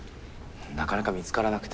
なかなか見つからなくて。